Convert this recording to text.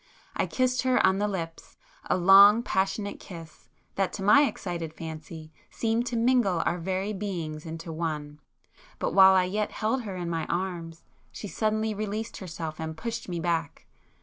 I kissed her on the lips,—a long passionate kiss that, to my excited fancy, seemed to mingle our very beings into one,—but while I yet held her in my arms, she suddenly released herself and pushed me back.